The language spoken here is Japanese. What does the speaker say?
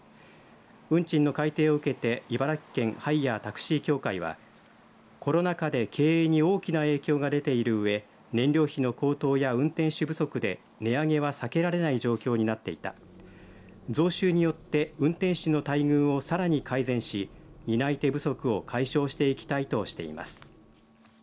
運賃の改定を受けて茨城県ハイヤー・タクシー協会はコロナ禍で経営に大きな影響が出ているうえ燃料費の高騰や運転手不足で値上げは避けられない状況になっていた増収によって運転手の待遇をさらに改善し担い手不足を解消していきたいとしています。